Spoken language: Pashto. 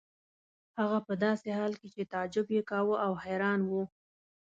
هغه په داسې حال کې چې تعجب یې کاوه او حیران و.